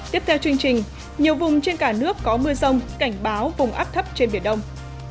tiếp theo chương trình nhiều vùng trên cả nước có mưa rông cảnh báo vùng áp thấp trên biển đông